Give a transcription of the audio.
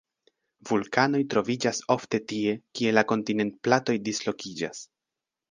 Vulkanoj troviĝas ofte tie, kie la kontinentplatoj dislokiĝas.